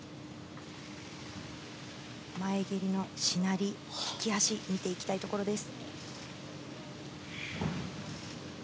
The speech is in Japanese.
前蹴りのしなり、引き足見ていきたいところです。